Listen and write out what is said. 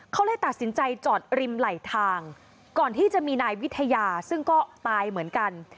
เขาเลยตัดสินใจจอดริมไหลทางก่อนที่จะมีนายวิทยาซึ่งก็ตายเหมือนกัน